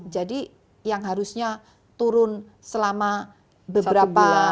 jadi yang harusnya turun selama beberapa